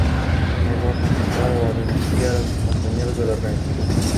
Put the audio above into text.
Actualmente se encuentra en la grabación de su segundo disco.